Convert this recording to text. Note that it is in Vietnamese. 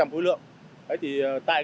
của lượng còn hạng mục cấp nước